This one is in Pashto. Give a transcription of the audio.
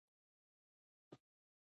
ولې شاهانو د هغې غم ونه کړ؟